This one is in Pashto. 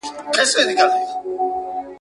انګرېز حلال سو.